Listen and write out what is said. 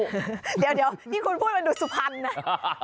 เดี๋ยวที่คุณพูดมันดูสุพรรณนะ